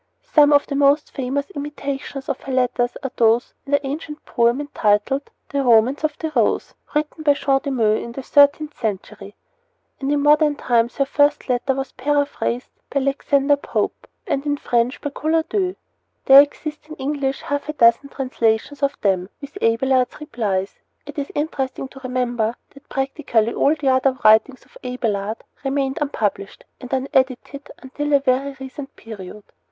Some of the most famous imitations of her letters are those in the ancient poem entitled, "The Romance of the Rose," written by Jean de Meung, in the thirteenth century; and in modern times her first letter was paraphrased by Alexander Pope, and in French by Colardeau. There exist in English half a dozen translations of them, with Abelard's replies. It is interesting to remember that practically all the other writings of Abelard remained unpublished and unedited until a very recent period.